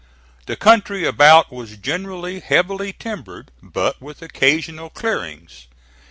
The country about was generally heavily timbered, but with occasional clearings.